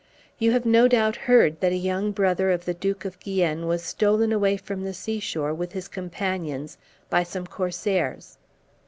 You have no doubt heard that a young brother of the Duke of Guienne was stolen away from the sea shore, with his companions, by some corsairs.